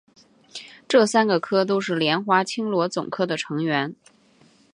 这三个科都是莲花青螺总科的成员。